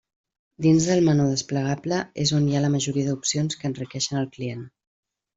Dins del menú desplegable és on hi ha la majoria d'opcions que enriqueixen el client.